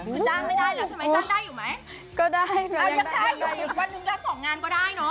คือจ้างไม่ได้แล้วใช่ไหมจ้างได้อยู่ไหมก็ได้นะเอายังได้เลยวันหนึ่งละสองงานก็ได้เนอะ